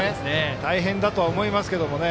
大変だとは思いますけどね。